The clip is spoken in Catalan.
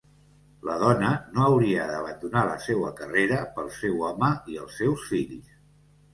La dona no hauria d'abandonar la seua carrera pel seu home i els seus fills.